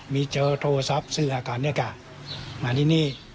มีเจอโทรศัพท์ซื้ออย่างนี้ก่อนมาที่นี่